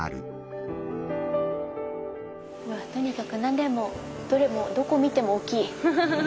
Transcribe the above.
とにかく何でもどこ見ても大きい。